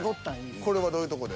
これはどういうとこで？